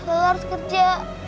lala harus kerja